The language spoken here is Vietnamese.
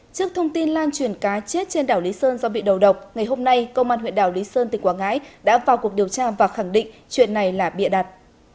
trước thông tin lan truyền cá chết trên đảo lý sơn do bị đầu độc ngày hôm nay công an huyện đảo lý sơn tỉnh quảng ngãi đã vào cuộc điều tra và khẳng định chuyện này là bịa đặt